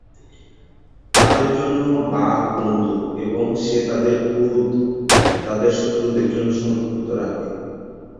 তাদের জন্য বাঘ বন্ধু এবং সে তাদের ক্রোধ তাদের শত্রুদের জন্য সংরক্ষিত রাখে।